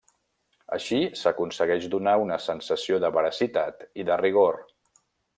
Així s'aconsegueix donar una sensació de veracitat i de rigor.